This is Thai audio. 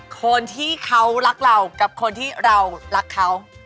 คนที่เขารักเรากับคนที่เรารักเขา